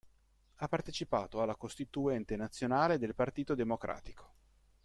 Ha partecipato alla costituente nazionale del Partito Democratico.